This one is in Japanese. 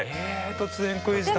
突然クイズだ。